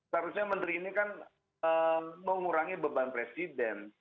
seharusnya menteri ini kan mengurangi beban presiden